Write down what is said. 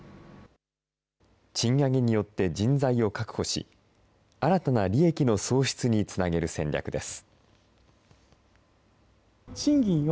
賃上げによって人材を確保し、新たな利益の創出につなげる戦略です。